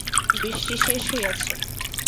বৃষ্টি শেষ হইয়াছে।